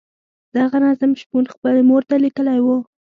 دغه نظم شپون خپلې مور ته لیکلی وو.